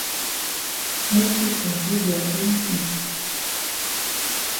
Make pipo do dia own tin.